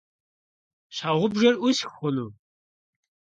Щхьэгъубжэр ӏусх хъуну?